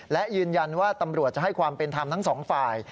และยืนยันว่าตำรวจจะให้ความเป็นธรรมทั้งสองฝ่าย